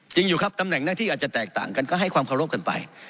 อยู่ครับตำแหน่งหน้าที่อาจจะแตกต่างกันก็ให้ความเคารพกันไป